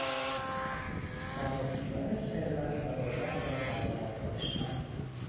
خواب و خیال ثروت و قدرت را در سر داشتن